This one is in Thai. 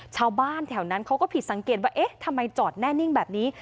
ชาวบ้านแถวนั้นเขาก็ผิดสังเกตว่าเอ๊ะทำไมจอดแน่นิ่งแบบนี้